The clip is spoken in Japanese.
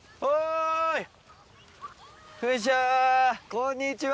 こんにちは。